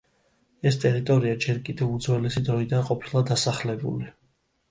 ეს ტერიტორია ჯერ კიდევ უძველესი დროიდან ყოფილა დასახლებული.